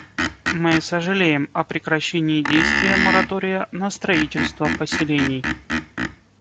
Мы сожалеем о прекращении действия моратория на строительство поселений.